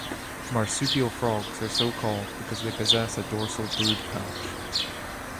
Marsupial frogs are so-called because they possess a dorsal brood pouch.